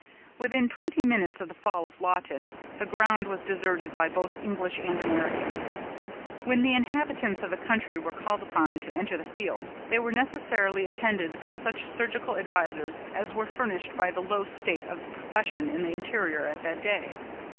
Within twenty minutes of the fall of Lawton, the ground was deserted by both English and Americans. When the inhabitants of the country were called upon to enter the field, they were necessarily attended by such surgical advisers as were furnished by the low state of the profession in the interior at that day.